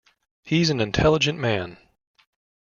He's an intelligent man.